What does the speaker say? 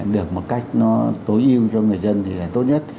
được một cách nó tối ưu cho người dân thì tốt nhất